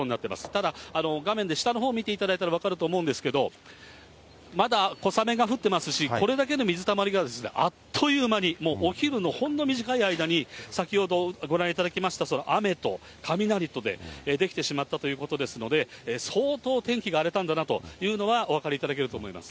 ただ、画面で下のほうを見ていただいたら分かると思うんですけれども、まだ小雨が降ってますし、これだけの水たまりがあっという間に、もうお昼のほんの短い間に、先ほどご覧いただきました雨と雷とで出来てしまったということですので、相当、天気が荒れたんだなということがお分かりいただけると思います。